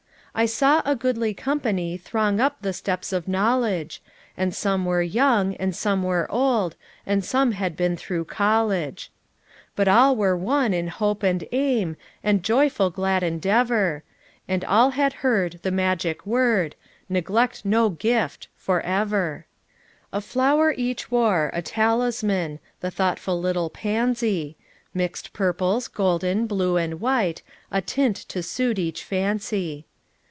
"I saw a goodly company Throng up the steeps of knowledge; And some were young, and some were old, And some had been through college. "But all were one in hope and aim And joyful glad endeavor; And all had heard the magic word: 'Neglect no gift* forever. Sing a soii| 402 POUR MOTHERS AT CHAUTAUQUA "A flower each worn— a talimnan, The thoughtful little pansy j Mixed purples, golden, blue and white, A tint to suit each fancy.